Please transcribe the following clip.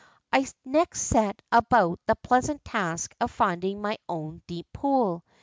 ' I next set about the pleasant task of finding my own deep pool.